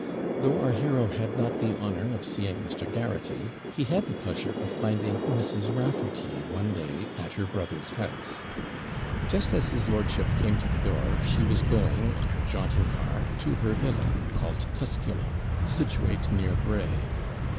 Though our hero had not the honour of seeing Mr. Garraghty, he had the pleasure of finding Mrs. Raffarty one day at her brother's house. Just as his lordship came to the door, she was going, on her jaunting car, to her villa, called Tusculum, situate near Bray.